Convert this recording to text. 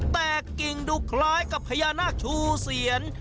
แต่กิ่งดูคล้ายกับพญานาคชูเสียน